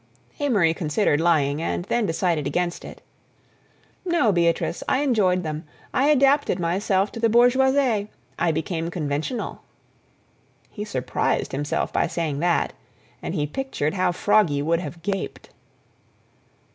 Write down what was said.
Amory considered lying, and then decided against it. "No, Beatrice. I enjoyed them. I adapted myself to the bourgeoisie. I became conventional." He surprised himself by saying that, and he pictured how Froggy would have gaped.